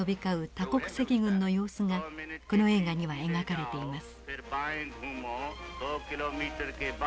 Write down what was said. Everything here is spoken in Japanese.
多国籍軍の様子がこの映画には描かれています。